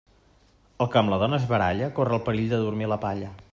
El que amb la dona es baralla, corre el perill de dormir a la palla.